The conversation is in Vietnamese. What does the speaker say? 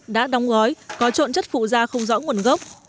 đã đóng gói có trộn chất phụ da không rõ nguồn gốc